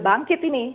sudah bangkit ini